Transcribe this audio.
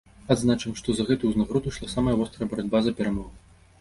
Адзначым, што за гэту ўзнагароду ішла самая вострая барацьба за перамогу.